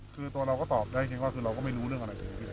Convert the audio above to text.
คือตัวเราก็ตอบได้คิดว่าเราก็ไม่รู้เรื่องอะไรขึ้น